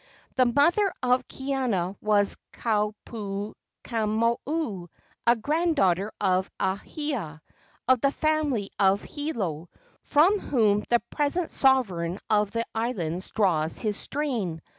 The mother of Kaiana was Kaupekamoku, a granddaughter of Ahia, of the family of Hilo, from whom the present sovereign of the islands draws his strain.